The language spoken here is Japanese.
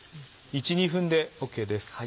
１２分でＯＫです。